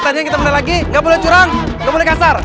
tadinya kita mulai lagi nggak boleh curang nggak boleh kasar